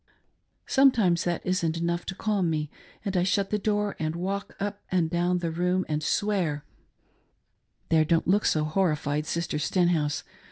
Sometimes that isn't enough to calm me and I shut the door and walk up 400 A WIIfElS PESEAIR. and down the room and swear ;— there, don't look so homfied, Sister Stenhouse